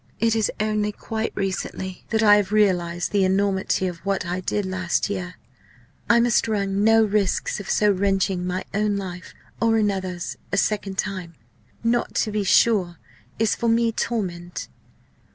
It is only quite recently that I have realised the enormity of what I did last year. I must run no risks of so wrenching my own life or another's a second time. Not to be sure is for me torment.